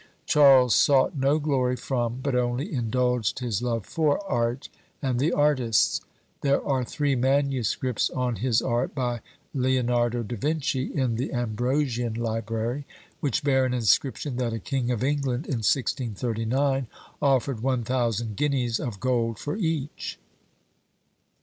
Charles sought no glory from, but only indulged his love for, art and the artists. There are three manuscripts on his art, by Leonardo da Vinci, in the Ambrosian library, which bear an inscription that a King of England, in 1639, offered one thousand guineas of gold for each.